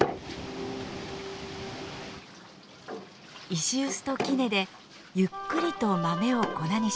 石臼と杵でゆっくりと豆を粉にします。